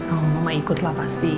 oh mama ikutlah pasti